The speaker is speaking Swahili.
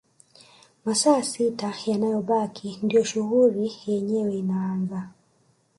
Masaa sita yanayobaki ndio shughuli yenyewe inaaza